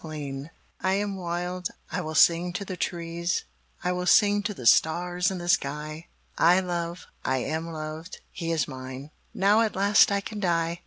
Joy I am wild, I will sing to the trees, I will sing to the stars in the sky, I love, I am loved, he is mine, Now at last I can die!